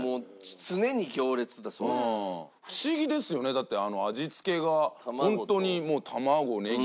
不思議ですよねだって味付けが本当に卵ネギ